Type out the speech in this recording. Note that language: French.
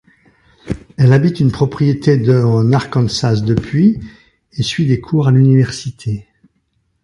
Elle habite une propriété de en Arkansas depuis et suit des cours à l'université.